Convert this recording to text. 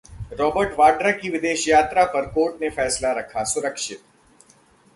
Robert Vadra की विदेश यात्रा पर कोर्ट ने फैसला रखा सुरक्षित